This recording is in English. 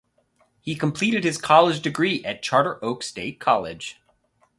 He completed his college degree at Charter Oak State College.